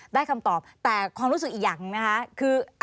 แต่ความรู้สึกอีกอย่างนะคะ